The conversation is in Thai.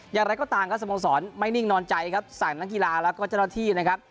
อย่างไรก็ตามก็สมสรรค์ไม่นิ่งนอนใจครับศาลนักกีฬาและเจ้าหน้าที่นะครับ